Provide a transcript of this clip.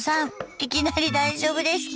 いきなり大丈夫ですか？